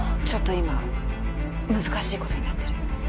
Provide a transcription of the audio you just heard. ちょっと今難しいことになってる。